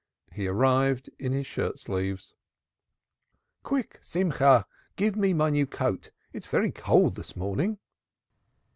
He arrived in his shirt sleeves. "Quick, Simcha, give me my new coat. It is very cold this morning."